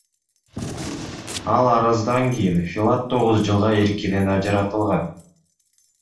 Ал арыздан кийин Филат тогуз жылга эркинен ажыратылган.